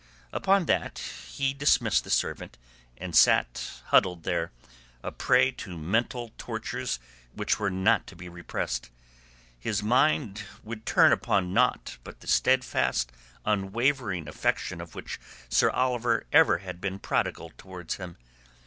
Upon that he dismissed the servant, and sat huddled there, a prey to mental tortures which were not to be repressed. His mind would turn upon naught but the steadfast, unwavering affection of which Sir Oliver ever had been prodigal towards him.